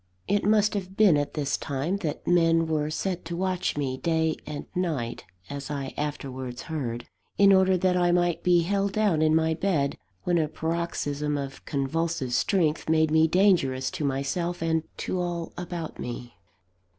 It must have been at this time that men were set to watch me day and night (as I afterwards heard), in order that I might be held down in my bed, when a paroxysm of convulsive strength made me dangerous to myself and to all about me.